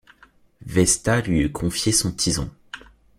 Vesta lui eût confié son tison.